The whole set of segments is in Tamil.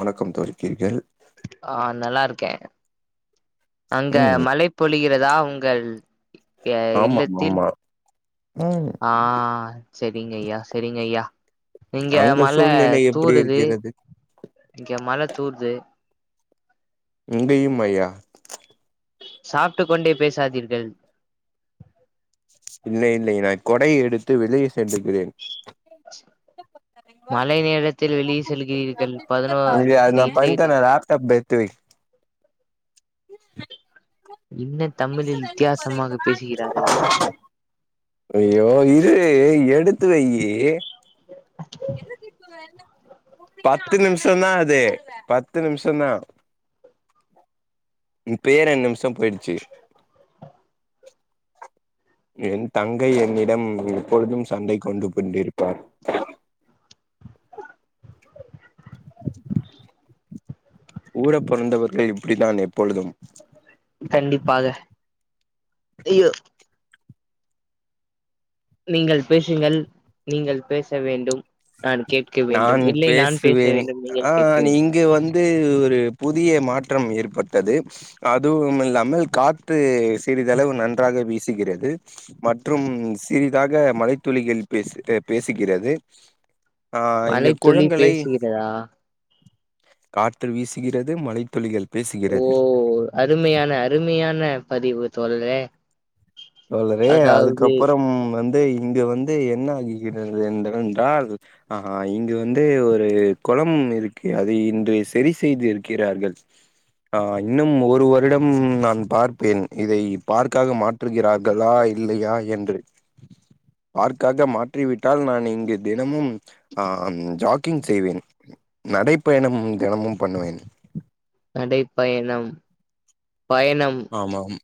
வணக்கம் தோழி [unintelligible] றீர்கள் ஆ நல்லாருக்கே அங்க ம் மழை பொழிகிறதா உங்கள் எ ஆமாம் இல்லத்தில் ஆமா ம் ஆ செரிங்கய்யா செரிங்கய்யா இங்க அங்க மழ சூழ்நிலை எப்படி தூருது இருக்கிறது இங்க மழ தூருது இங்குயும்மய்யா சாப்ட்டு கொண்டே பேசாதீர்கள் இல்லை இல்லை நா கொடை எடுத்து வெளியே சென்டுக்கிறேன் மழை நேரத்தில் வெளியே செல்கிறீர்கள் பதினோ இது இந்த அதுனா இந்த பண்டத்த இது நா லாப்டாப்பு எத்து வெய் என்ன தமிழில் வித்தியாசமாக பேசுகிறார்கள் ஐயோ இரு எடுத்து வெய்யி [inaudible] பத்து நிம்ஷோ தா அது பத்து நிம்ஷோ தா இப்பயே ரெண்ட் நிம்ஷோ போயிடுச்சி என் தங்கை என்னிடம் எப்பொழுதும் சண்டை கொண்டு பண்டிருப்பார் [inaudible] ஊட பொறந்தவர்கள் இப்புடித்தான் எப்பொழுதும் கண்டிப்பாக ஐயோ நீங்கள் பேசுங்கள் நீங்கள் பேச வேண்டும் நான் கேட்க வேண்டும் நான் இல்லை நான் பேச வேண்டும் நீங்கள் கேட்க வேண்டும் இது ஒரு புதிய மாற்றம் ஏற்பட்டது அதுவும் இல்லாமல் காற்று சிறிதளவு நன்றாக வீசுகிறது மற்றும் சிறிதாக மழைத்துளிகள் பேசு அ பேசுகிறது ஆ இங்க மழைத்துளி குளங்களை பேசுகிறதா காற்று வீசுகிறது மழைத்துளிகள் ஓ பேசுகிறது அருமையான அருமையான பதிவு தோழரே தோழரே அதாவது அதுக்கப்பறம் வந்து இங்கு வந்து என்ன ஆகிகிறது என்று என்றால் ஆஹ இங்கு வந்து ஒரு கொளம் இருக்கு அதை இன்று சரி செய்து இருக்கிறார்கள் ஆஹ் இன்னும் ஒரு வருடம் நான் பார்ப்பேன் இதை பார்க்காக மாற் றுகிறார்களா இல்லையா என்று பார்க்காக மாற்றிவிட்டால் நான் இங்கு தினமும் ஆ ஜாக்கிங் செய்வேன் நடைப்பயணம் தினமும் பண்ணுவேன் நடைப்பயணம் பயணம் ஆமாம்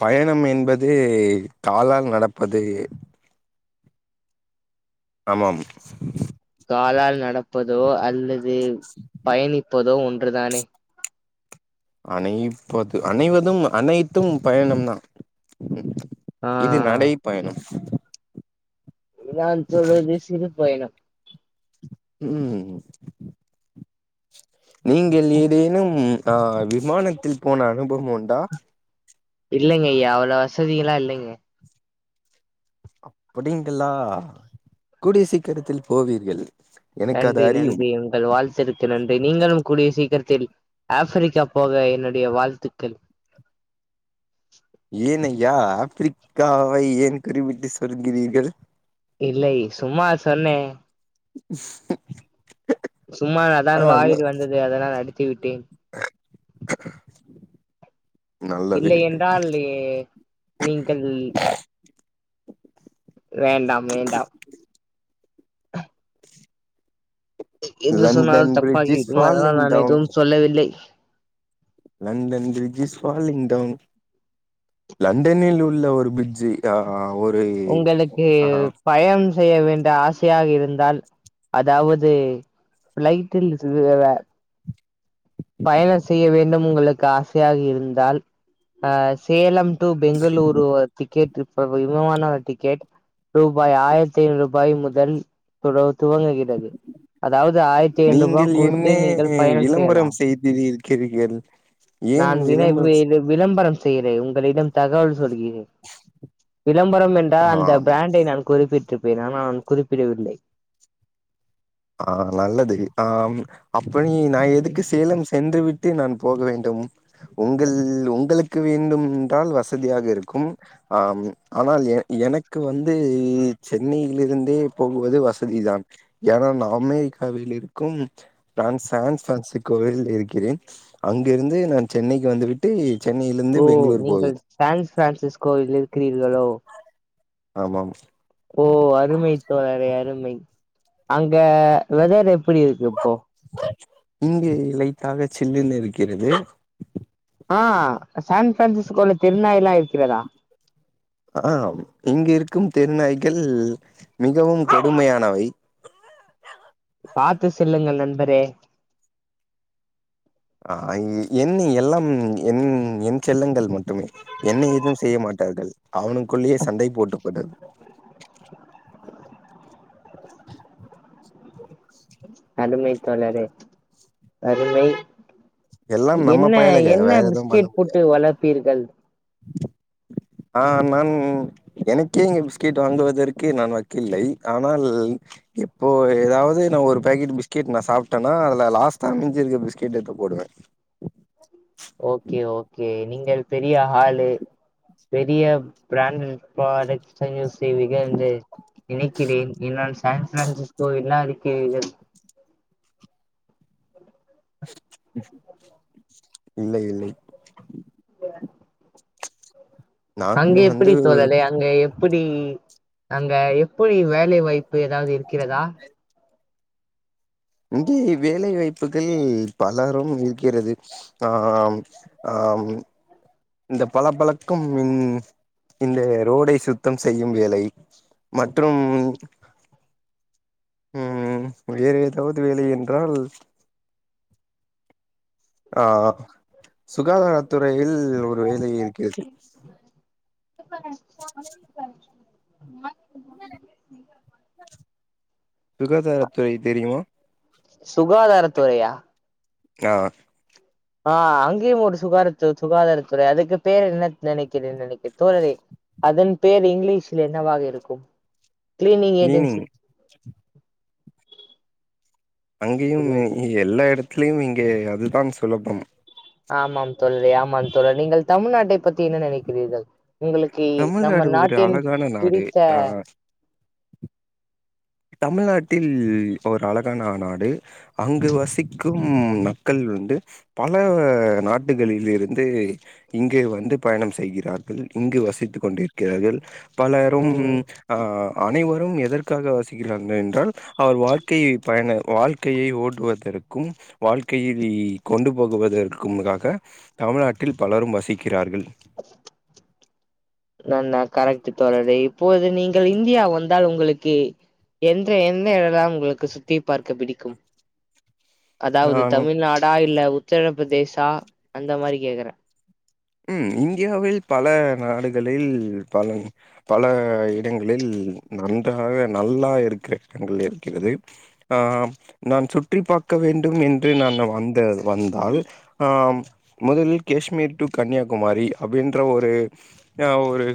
பயணம் என்பது காலால் நடப்பது ஆமாம் காலால் நடப்பதோ அல்லது பயணிப்பதோ ஒன்றுதானே அனைப்பது அனைவதும் அனைத்தும் பயணம் தான் ஆ இது நடை பயணம் இ நான் சொல்வது சிறு பயணம் உம் நீங்கள் ஏதேனும் அ விமானத்தில் போன அனுபவம் உண்டா இல்லைங்க ஐயா அவ்ளோ வசதிகள்லா இல்லைங்க அப்புடீங்களா கூடிய சீக்கரத்தில் போவீர்கள் எனக்கு அது நன்றி அறியும் நன்றி உங்கள் வாழ்த்திற்கு நன்றி நீங்களும் கூடிய சீக்கிரத்தில் ஆஃப்பிரிக்கா போக என்னுடைய வாழ்த்துக்கள் ஏன் அய்யா ஆஃப்ரிக்காவை ஏன் குறிபிட்டு சொல்கிறீர்கள் இல்லை சும்மா சொன்னே [inaudible] சும்மா ஆ அதான் ந- வாயில் வந்தது அதனால் அடித்துவிட்டேன் நல்லது இல்லை என்றால் இ நீங்கள் வேண்டாம் வேண்டாம் எது சொன்னாலு லண்டன் பிரிட்ஜ் இஸ் தப்பாகிவிடும் அதனால் ஃபாலிங் நான் டவுன் எதுவு சொல்லவில்லை London bridge is falling down லண்டனில் உள்ள பிரிட்ஜு கா ஒரு உங்களுக்கு ஆ பயணம் செய்ய வேண்ட ஆசையாக இருந்தால் அதாவது ஃபிலைட்டில் இதுவவ பயண செய்ய வேண்டும் உங்களுக்கு ஆசையாக இருந்தால் அ சேலம் டு பெங்களூரு டிக்கெட் டிரிப்ப விவமான டிக்கெட் ரூபாய் ஆயிரத்தி ஐநூறு ரூபாய் முதல் துடவ துவங்குகிறது அதாவது ஆயிர நீங்கள் என்னே விளம்பரம் செய்யலாம் செய்து இது இருக்கிறிர்கள் ஏன் நான் வினை இளம்பரம் விளம்பரம் செய்கிறே உங்களிடம் தகவல் சொல்கிறே விளம்பரம் ஆ என்றால் அந்த பிராண்டை நான் குறிப்பிட்டிருப்பேன் ஆனா குறிப்பிடவில்லை ஆ நல்லது ஆம் அப்ப நீ நா எதுக்கு சேலம் சென்றுவிட் டு நான் போக வேண்டும் உங்கள் உங்களுக்கு வேண்டும் என்றால் வசதியாக இருக்கும் ஆம் ஆனால் எ எனக்கு வந்து சென்னையிலிருந்தே போகவது வசதி தான் ஏன்னா நா அமெரிக்காவில் இருக்கு நா சேன்ஸ் பிரான்சிகோவில் இருக்கிறேன் அங்கிருந்து நான் சென்னைக்கு வந்து விட் ட்டு சென்னையில் இருந்து பெங்களூரு போவேன் சேன்ஸ் ஃபிராசிஸ்கோவில் இருக்கிரீர்கலோ ஆமாம் ஓ அருமை தோழரே அருமை அங்க வெதர் எப்டி இருக்கு இப்போ இங்கு லைட்டாக சில்லுன்னு இருக்கிறது ஆ சான் ஃபிரான்சிஸ்கோல தெருநாய் எல்லா இருக்கிறதா ஆம் இங்க இருக்கும் தெருநாய்கள் மிகவும் கடுமையானவை பாத்து சொல்லுங்கள் நண்பரே ஆ என் எல்லாம் என் என் செல்லங்கள் மட்டுமே என்னை ஏதுவு செய்யமாட்டார்கள் அவனுக்குள்ளேயே சண்டை போட்டுப்பட்ட அருமை தோழரே அருமை எல்லாம் நம்ம என்ன பயலுக என்ன வேற எதுவும் பண்ண பிஸ்கெட் போட்டு முடியாது வளர்ப்பிர்கள் ஆ நான் எனக்கே இங்க பிஸ்கட் வாங்குவதற்கு நான் வக்கு இல்லை ஆனால் ப்போ ஏதாவது நா ஒரு பேக்கட் பிஸ்கெட் நா சாப்பிட்டன்னா அல லாஸ்ட் அமைஞ்சிருக்க பிஸ்கெட் எத்த போடுவே ஓகே ஓகே நீங்க பெரிய ஆளு பெரிய பிராண்ட் ப்ராடக்ட்ஸ்தா யூஸ் செய்வீர்கள் இந்து நினைக்கிறேன் என்னால் சான் ஃபிரான்சிஸ்கோ என்னா அறிக்கிறீர்கள் ம் இல்லை இல்லை பே நான் அங்க எப்டி வந்து தோழாரே அங்க எ எப்டி அங்க எப்பிடி வேலை வாய்ப்பு ஏதாவது இருக்கிறதா இங்கே வேலை வாய்ப்புகள் பலரும் இருக்கிறது ஆம் ஆம் இந்த பல பழக்கும் மின் இந்த ரோடை சுத்தம் செய்யும் வேலை மற்றும் ம் வேற எதாது வேலை என்றால் ஆ சுகாதாரத்துறையில் ஒரு வேலை இருக்கிறது [unintelligible] [unintelligible] சுகாதாரத்துறை தெரிமா சுகாதாரத்துறையா ஆ ஆ அங்யு ஒரு சுகாரத்து சுகாதாரத்துறை அதுக்கு பேரு என்னத் நெனக்கிற நெனக்க தோழரே அதன் பேர் இங்கிலீஷல என்னவாக இருக்கும் கிளீனிங் ஏஜென் அங்யுமே இல்லை எல்லா எடத்துலயும் இங்கே அதுதா சுலபம் ஆமாம் தோழரே ஆமா தோழ நீங்கள் தமிழ்நாட்டை பத்தி என்ன நெனக்கிறீர்கள் உங்களுக்கு நம்ம தமிழ்நாடு ஒரு நாட்டின் அழகான நாடு பிடித்த ஆ தமிழ்நாட்டில் ஒரு அழகான நாடு அங்கு வசிக்கும் மக்கள் வந்து பல நாட்டுகளில் இருந்து இங்கே வந்து பயணம் செய்கிறார்கள் இங்கு வசித்து கொண்டிருக்கிறார்கள் பலரும் ம் ஆ அனைவரும் எதற்காக வசி கிறார்கள் என்றால் அவர் வாழ்க்கையை பயண வாழ்க்கையை ஓட்டுவதற்கும் வாழ்க்கையிலி கொண்டு போகுவதற்க்கும்காக தமிழ்நாட்டில் பலரும் வசிக்கிறார்கள் [unintelligible] நா நா கரெட்டு தோழரே இப்போது நீங்கள் இந்தியா வந்தால் ஒங்ளுக்கு எந்த என்ன எலாம் ஒங்ளுக்கு சுத்தி பார்க்க பிடிக்கும் அதாவது ஆ தமிழ்நாடா இல்ல உத்தரப்பிரதேசா அந்த மாதிரி கேக்கறே ம் இந்தியாவில் பல நாடுகளில் பல பல இடங்களில் நன்றாக நல்லா இருக்கிற இடங்கள் இருக்கிறது ஆ நான் சுற்றி பாக்க வேண்டும் என்று நான் வந்த வந்தால் ஆ மொதலில் கேஷ்மீர் டு கன்னியாகுமாரி அப்டின்ற ஒரு நா ஒரு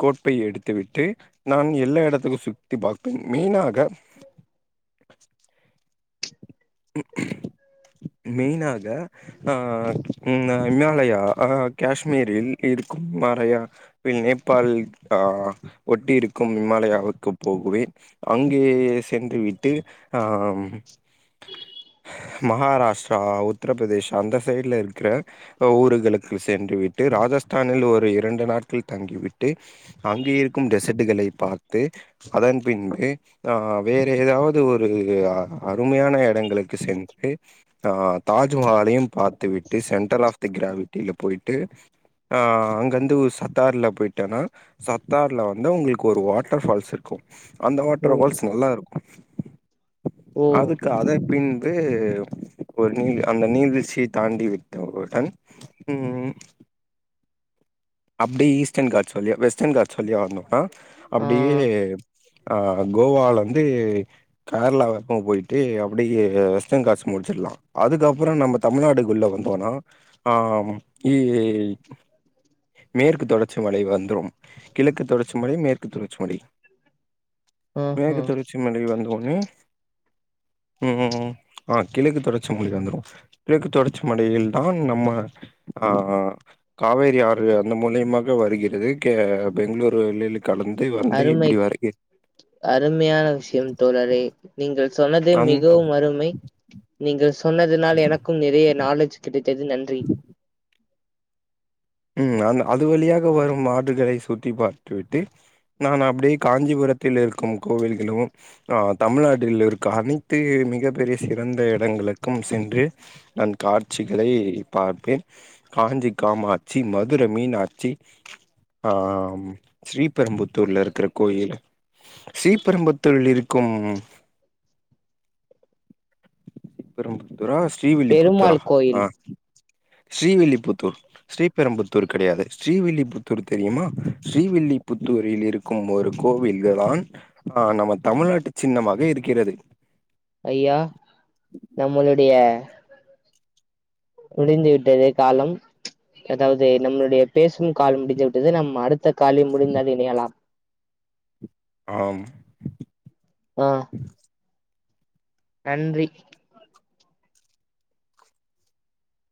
கோட்பை எடுத்துவிட்டு நான் எல்லா எடத்துக்கும் சுத்தி பார்ப்பேன் மெயினாக மெயினாக ஆ இன்ன இமாலயா அ கேஷ்மீரில் இருக்கும் மறைய வில் நேபள் ஆ ஒட்டி இருக்கும் இமாலயாவுக்கு போகுவே அங்கே சென்று விட்டு ஆம் மகாராஷ்ட்ரா உத்தரபிரதேஷா அந்த சைட்ல இருக்கிற ஊர்களுக்கு சென்று விட்டு ராஜஸ்தானில் ஒரு இரண்டு நாட்கள் தங்கிவிட்டு அங்கே இருக்கும் டெசர்டுகளை பார்த்து அதன் பின்பு அ வேற எதாவது ஒரு அருமையான எட இடங்களுக்கு சென்று ஆ தாஜ்மஹாலயும் பாத்து விட்டு சென்டர் ஆஃப் தி கிரா விட்டில பொயிட்டு ஆ அங்க இருந்து சப்த்தார்ல பொயிட் டனா சப்த்தார்ல வந்து ஒங்ளுக்கு ஒரு வாட்டர் பால்ஸ் இருக்கும் அந்த ஓ வாட்டர்பால்ஸ் நல்லா இருக்கும் ஓ அதுக்கு அத பின்பு ஒரு நீ அந்த நீர்வீழ்ச்சிய தாண்டி விட்ட உடன் ம் ம் அப்டியே ஈஸ்டர்ன் காட்ஸ் வழியா வெஸ்டர்ன் காட்ஸ் வழியா வந்தோன்னா ஆ அப்டியே அ கோவாலந்து கேர்ளா வரைக்கும் போயிட்டு அப்படியே வெஸ்டன் காட்ஸ் முடிச்சிட்லாம் அதுக்கப்புறோ நம்ம தமிழ்நாடுக்குள்ள வந்தோன்னா ஆ இ மேற்கு தொடர்ச்சி மலை வந்துரும் கிழக்கு தொடர்ச்சி மலை மேற்கு தொடர்ச்சி மலை ஆ ஆ மேற்கு தொடர்ச்சி மலை வந்தவுட்னே ம் ஆ கிழக்கு தொடர்ச்சிமலை வந்துரும் கிழக்கு தொடர்ச்சி மலையில்தான் நம்ம ஆ காவேரி ஆறு அந்த மூலியமாக வருகிறது கே பெங்களூரு வெள்ளில் கலந்து வந்து அருமை இப்படி வருக அருமையான விஷயம் தோழரே நீங்கள் சொன்னது அந் மிகவும் அருமை நீங்கள் சொன்னதுனால் எனக்கும் நிறைய நாலேஜ் கிடைத்தது நன்றி ம் அந்த அது வழியாக வரும் ஆறுகளை சுத்தி பாத்து விட்டு நான் அப்டியே காஞ்சிபுரத்தில் இருக்கும் கோவில்களும் ஆ தமிழ்நாட்டில் இருக்க அனைத்து மிகப் பெரிய சிறந்த இடங்களுக்கும் சென்று நான் காட்சிகளை பார்ப்பேன் காஞ்சிக்காமா ட்சி மதுரை மீனாட்சி அ ஸ்ரீபெரும்புத்தூர்ல இருக்கிற கோயிலு ஸ்ரீபெரும்புத்தூரில் இருக்கும் ஸ்ரீபெருபுத்தூரா ஸ்ரீவில்லிபுத்தூரா பெருமாள் ஆ கோயில் ஸ்ரீவில்லிபுத்தூர் ஸ்ரீபெரம்புத்தூர் கெடையாது ஸ்ரீவில்லிபுத்தூர் தெரியுமா ஸ்ரீவில்லிபுத்தூரில் இருக் கும் ஒரு கோவில்களான் ஆ நம்ம தமிழ்நாட்டு சின்னமாக இருக்கிறது ஐய்யா நம்மளுடைய முடிந்து விட்டது காலம் அதாவது நம்மளுடைய பேசும் காலம் முடிந்து விட்டது நம்ம அடுத்த காலில் முடிந்தால் இணையலாம் ஆம் அ நன்றி